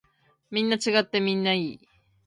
みんな違ってみんないい。